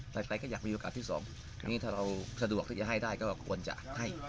แต่ใครก็อยากมีโอกาสที่สองอันนี้ถ้าเราสะดวกที่จะให้ได้ก็ควรจะให้